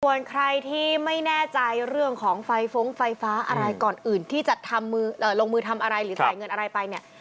ส่วนใครที่ไม่แน่ใจเรื่องของไฟฟ้องไฟฟ้าอะไรก่อนอื่นที่จะทำมือลงมือทำอะไรหรือจ่ายเงินอะไรไปเนี่ย